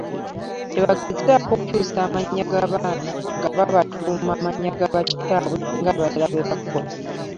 Tebaagezaako kukyusa mannya g'abaana nga babatuuma amannya ga bakitaabawe ng'abalala bwe bakola.